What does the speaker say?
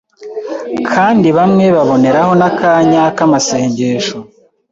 kandi bamwe baboneraho n’akanya k’amasengesho.